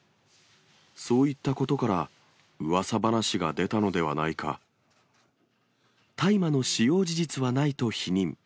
そういったことから、大麻の使用事実はないと否認。